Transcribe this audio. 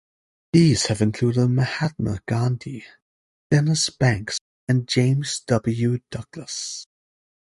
These have included Mahatma Gandhi, Dennis Banks and James W. Douglass.